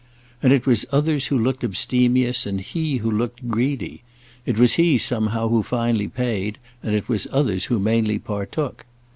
And it was others who looked abstemious and he who looked greedy; it was he somehow who finally paid, and it was others who mainly partook.